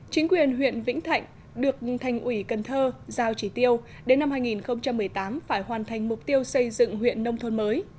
chính quyền huyện vĩnh thạnh được thành ủy cần thơ giao chỉ tiêu đến năm hai nghìn một mươi tám phải hoàn thành mục tiêu xây dựng huyện nông thôn mới